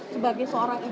sebagai seorang ibadat